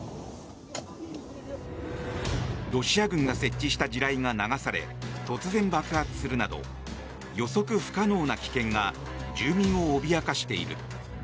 ロシア軍が設置した地雷が流され突然、爆発するなど予測不可能な危険が住民を脅かしている。